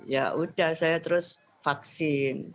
ya udah saya terus vaksin